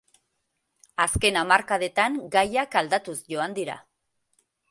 Azken hamarkadetan gaiak aldatuz joan dira.